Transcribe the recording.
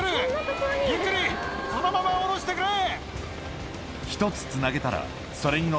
ゆっくりそのまま下ろしてくれ。